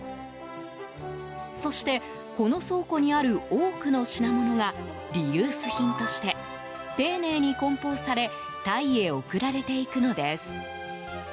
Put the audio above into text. そしてこの倉庫にある多くの品物がリユース品として丁寧に梱包されタイへ送られていくのです。